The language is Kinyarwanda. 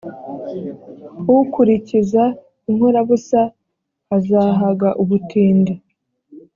ukurikiza inkorabusa azahaga ubutindi